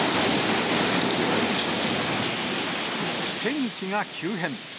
天気が急変。